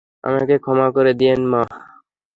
আমাকে ক্ষমা করে দিয়েন মা।